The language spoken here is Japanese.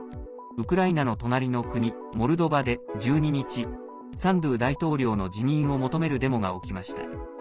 ウクライナの隣の国モルドバで１２日サンドゥ大統領の辞任を求めるデモが起きました。